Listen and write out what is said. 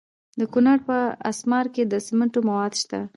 د کونړ په اسمار کې د سمنټو مواد شته.